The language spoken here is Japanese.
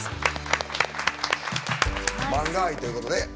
マンガ愛ということで。